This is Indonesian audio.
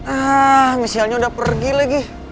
ah michelle nya udah pergi lagi